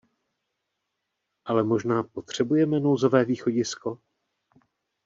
Ale možná potřebujeme nouzové východisko?